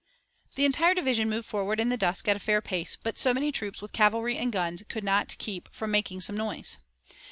The entire division moved forward in the dusk at a fair pace, but so many troops with cavalry and guns could not keep from making some noise.